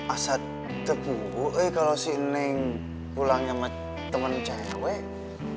asal tepuk gue kalau si neng pulang sama temen cewek